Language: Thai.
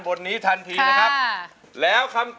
ร้องได้ให้ร้าน